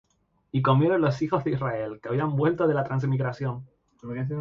Y comieron los hijos de Israel que habían vuelto de la transmigración,